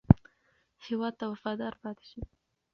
هېواد ته وفادار پاتې شئ.